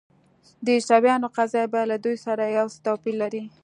د عیسویانو قضیه بیا له دوی سره یو څه توپیر لري.